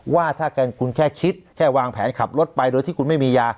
ว่าถ้าคุณแค่คิดแค่วางแผนขับรถไปโดยที่คุณไม่มียา